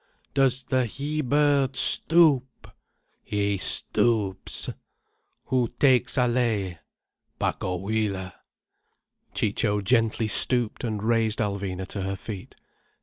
"Does the he bird stoop—?" "He stoops." "Who takes Allaye?" "Pacohuila." Ciccio gently stooped and raised Alvina to her feet.